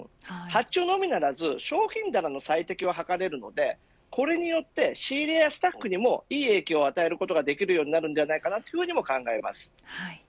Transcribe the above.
発注のみならず商品棚の最適化を図れるのでこれによって仕入れやスタッフにもいい影響を与えることができると考えます。